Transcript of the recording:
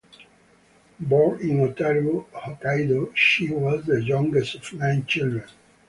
Born in Otaru, Hokkaido, she was the youngest of nine children.